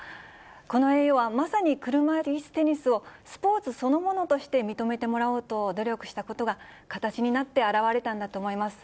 この栄誉はまさに車いすテニスをスポーツそのものとして認めてもらおうと努力したことが、形になって現れたんだと思います。